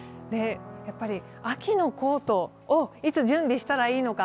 やっぱり秋のコートをいつ準備したらいいのか